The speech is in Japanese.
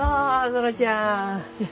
園ちゃん。